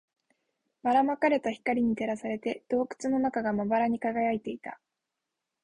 ばら撒かれた光に照らされて、洞窟の中がまばらに輝いていた